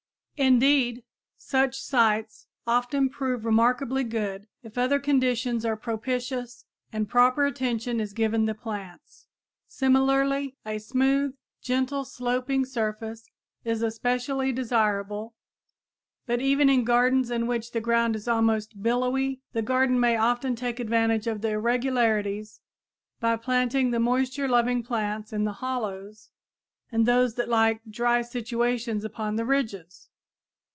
Indeed, such sites often prove remarkably good if other conditions are propitious and proper attention is given the plants. Similarly, a smooth, gently sloping surface is especially desirable, but even in gardens in which the ground is almost billowy the gardener may often take advantage of the irregularities by planting the moisture loving plants in the hollows and those that like dry situations upon the ridges.